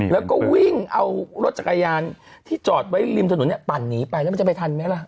แล้วก็วิ่งเอารถจักรยานที่จอดไว้ริมถนนปั่นหนีไปแล้วมันจะไปทันไหมล่ะ